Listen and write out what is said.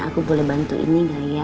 aku boleh bantu ini gak ya